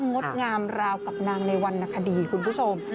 งดงามราวกับนางในวรรณคดีคุณผู้ชม